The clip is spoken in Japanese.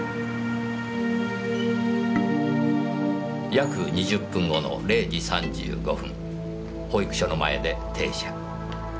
約２０分後の０時３５分保育所の前で停車。